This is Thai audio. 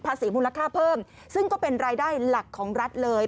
สีมูลค่าเพิ่มซึ่งก็เป็นรายได้หลักของรัฐเลย